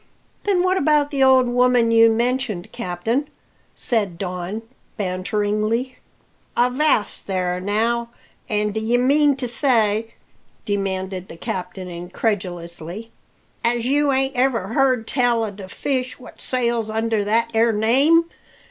"Then what about the old woman you mentioned captain?" said Don banteringly. "Avast there now! An' d'ye mean to say," demanded the captain incredulously, "as you ain't ever hear'd tell o' the fish what sails under that 'ere name?